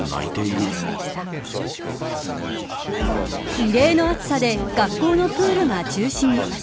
異例の暑さで学校のプールが中止に。